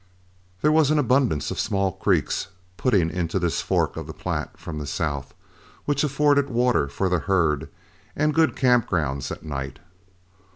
There was an abundance of small creeks putting into this fork of the Platte from the south, which afforded water for the herd and good camp grounds at night.